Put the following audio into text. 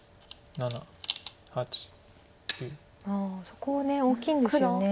そこ大きいんですよね。